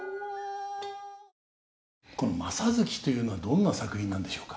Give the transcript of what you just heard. この「正月」というのはどんな作品なんでしょうか？